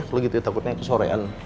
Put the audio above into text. kalau gitu ya takutnya kesorean